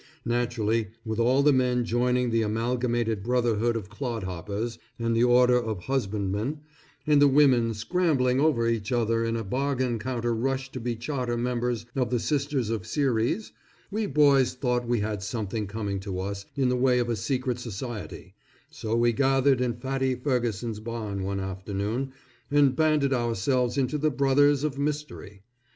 Naturally, with all the men joining the Amalgamated Brotherhood of Clodhoppers, and the order of Husbandmen, and the women scrambling over each other in a bargain counter rush to be charter members of the Sisters of Ceres, we boys thought we had something coming to us in the way of a secret society, so we gathered in Fatty Ferguson's barn one afternoon, and banded ourselves into the Brothers of Mystery.